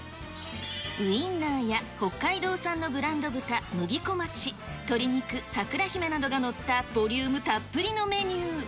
ウインナーや北海道産のブランド豚、麦小町、鶏肉、桜姫などが載ったボリュームたっぷりのメニュー。